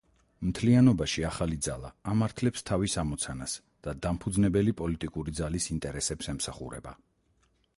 მთლიანობაში, „ახალი ძალა“ ამართლებს თავის ამოცანას და დამფუძნებელი პოლიტიკური ძალის ინტერესებს ემსახურება.